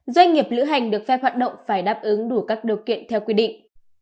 doanh nghiệp lữ hành được phép hoạt động phải đáp ứng đủ các điều kiện theo quy định